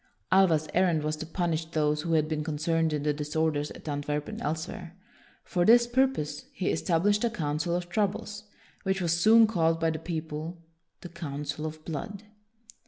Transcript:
Alva's errand was to punish those who had been concerned in the disorders at Antwerp and elsewhere. For this purpose he established a Council of Troubles, which was soon called by the people the Council of Blood.